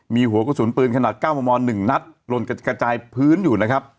มีหัวกระสุนปืนขนาด๙มม๑นัดลนกระจายพื้นอยู่นะครับ